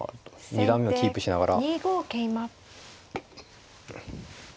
二段目をキープしながら。